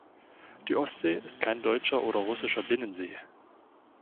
Die Ostsee ist kein deutscher oder russischer Binnensee.